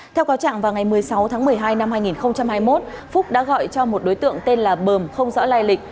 theo cáo trạng vào ngày một mươi sáu tháng một mươi hai năm hai nghìn hai mươi một phúc đã gọi cho một đối tượng tên là bờm không rõ lai lịch